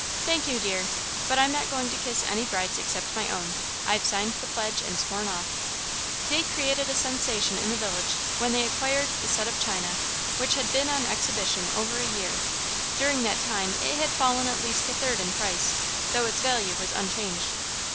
"Thank you, dear, but I'm not going to kiss any brides except my own. I've signed the pledge and sworn off." They created a sensation in the village when they acquired the set of china which had been on exhibition over a year. During that time it had fallen at least a third in price, though its value was unchanged.